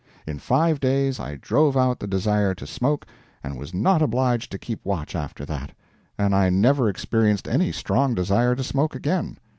In five days I drove out the desire to smoke and was not obliged to keep watch after that; and I never experienced any strong desire to smoke again.